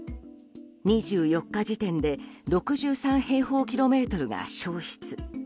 ２４日時点で６３平方キロメートルが焼失。